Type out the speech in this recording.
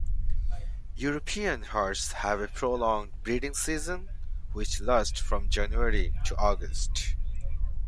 European hares have a prolonged breeding season which lasts from January to August.